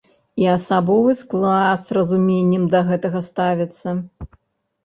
І асабовы склад з разуменнем да гэтага ставіцца.